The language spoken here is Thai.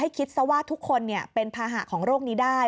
คิดซะว่าทุกคนเป็นภาหะของโรคนี้ได้